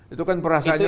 itu kan perasaan